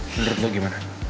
menurut lo gimana